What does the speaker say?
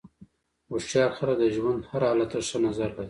هوښیار خلک د ژوند هر حالت ته ښه نظر لري.